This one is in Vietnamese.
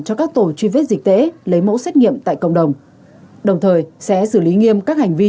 cho các tổ truy vết dịch tễ lấy mẫu xét nghiệm tại cộng đồng đồng thời sẽ xử lý nghiêm các hành vi